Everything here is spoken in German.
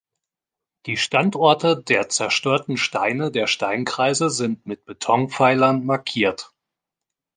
Die Standorte der zerstörten Steine der Steinkreise sind mit Betonpfeilern markiert.